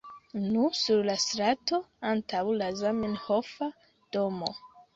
Nu, sur la strato antaŭ la Zamenhofa domo